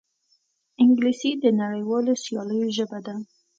انګلیسي د نړیوالو سیالیو ژبه ده